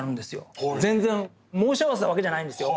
全然申し合わせたわけじゃないんですよ。